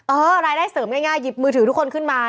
รายได้เสริมง่ายหยิบมือถือทุกคนขึ้นมา